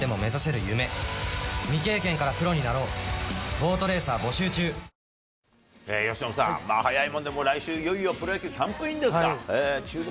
糖質ゼロ由伸さん、早いもんで、もう来週、いよいよプロ野球キャンプインですか。